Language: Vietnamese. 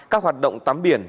các hoạt động tắm biển